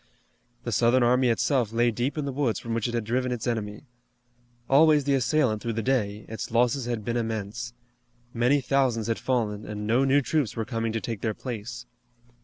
The Southern army itself lay deep in the woods from which it had driven its enemy. Always the assailant through the day, its losses had been immense. Many thousands had fallen, and no new troops were coming to take their place.